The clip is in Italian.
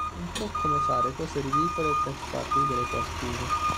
È un po' come fare cose ridicole per far ridere qualcuno".